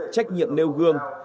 trách nhiệm nêu gương